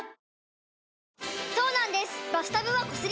そうなんです